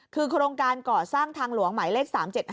คือโครงการก่อสร้างทางหลวงหมายเลข๓๗๕